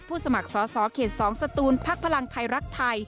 สมัครสอสอเขต๒สตูนพักพลังไทยรักไทย